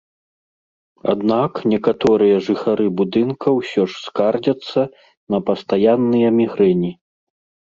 Аднак некаторыя жыхары будынка ўсё ж скардзяцца на пастаянныя мігрэні.